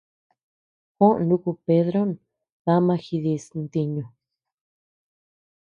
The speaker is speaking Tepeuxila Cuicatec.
Juó nuku Pedro dama dijis ntiñu.